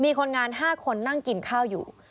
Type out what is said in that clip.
มีคนงาน๕คนนั่งกินข้าวอยู่